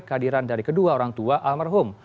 kehadiran dari kedua orang tua almarhum